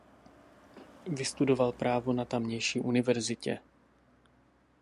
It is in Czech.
Vystudoval právo na tamější univerzitě.